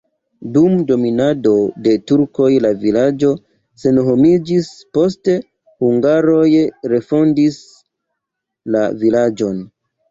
Dum dominado de turkoj la vilaĝo senhomiĝis, poste hungaroj refondis la vilaĝon.